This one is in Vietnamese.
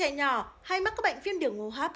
trẻ nhỏ hay mắc các bệnh viêm điểm ngủ hấp